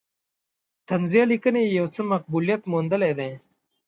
طنزیه لیکنې یې یو څه مقبولیت موندلی دی.